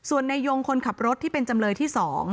ส่วนในยงคนขับรถที่เป็นจำเลยที่๒